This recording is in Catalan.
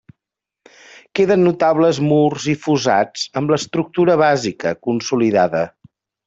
Queden notables murs i fossats, amb l'estructura bàsica consolidada.